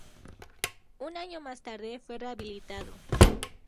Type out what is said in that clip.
Un año más tarde, fue rehabilitado.